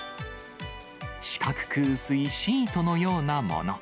四角く薄いシートのようなもの。